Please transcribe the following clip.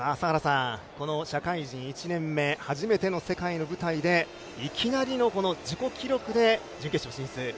社会人１年目、初めての世界の舞台でいきなりの自己記録で準決勝進出。